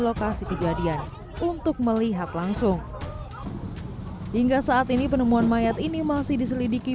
lokasi kejadian untuk melihat langsung hingga saat ini penemuan mayat ini masih diselidiki